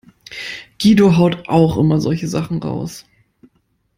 Guido haut auch immer solche Sachen raus.